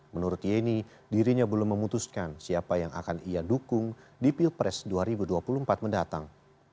menurut yeni dirinya belum memutuskan siapa yang akan ia dukung di pilpres dua ribu dua puluh empat mendatang